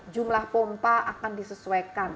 jumlah pompa akan disesuaikan